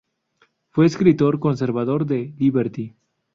Fue escritor "conservador" de "Liberty".